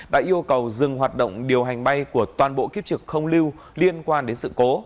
đã yêu cầu dừng hoạt động điều hành bay của toàn bộ kiếp trực không lưu liên quan đến sự cố